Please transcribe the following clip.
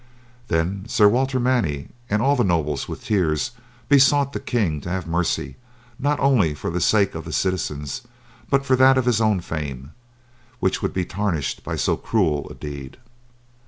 Then Sir Walter Manny and all the nobles with tears besought the king to have mercy, not only for the sake of the citizens, but for that of his own fame, which would be tarnished by so cruel a deed.